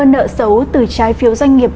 nợ xấu từ trái phiếu doanh nghiệp